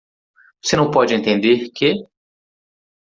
Você não pode entender que?